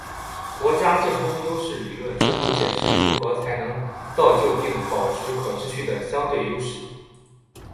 国家竞争优势理论试图解释如何才能造就并保持可持续的相对优势。